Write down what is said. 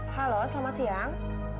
halo selamat siang